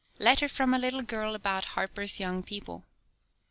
] LETTER FROM A LITTLE GIRL ABOUT "HARPER'S YOUNG PEOPLE."